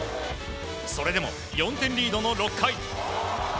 それでも４点リードの６回。